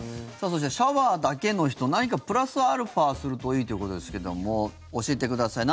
そして、シャワーだけの人何かプラスアルファするといいということですけども教えてください。